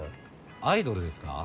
アイドルですか？